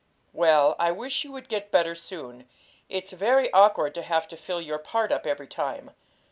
'Well, I wish you would get better soon; it's very awkward to have to fill your part up every time.